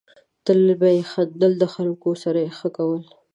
تل به یې خندل ، د خلکو سره یې ښه کول.